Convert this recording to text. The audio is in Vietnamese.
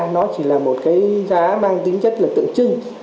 nó chỉ là một cái giá mang tính chất là tượng trưng